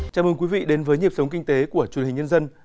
chào mừng quý vị đến với nhịp sống kinh tế của truyền hình nhân dân